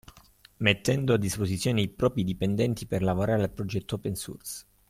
Mettendo a disposizione i propri dipendenti per lavorare al progetto Open Source.